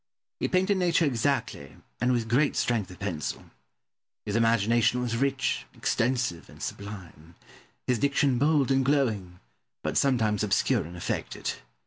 He painted nature exactly, and with great strength of pencil. His imagination was rich, extensive, and sublime: his diction bold and glowing, but sometimes obscure and affected.